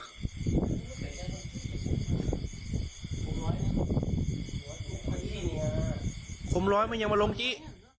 ผมร้อยมันยังมาลงที่